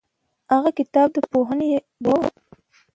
هغه کتاب د پوهې ډیوه وه.